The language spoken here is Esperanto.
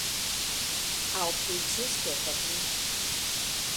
Aŭ pli ĝuste por mi.